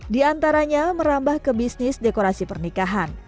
di antaranya merambah ke bisnis dekorasi pernikahan